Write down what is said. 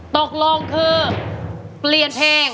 ตกลงคือเปลี่ยนเพลง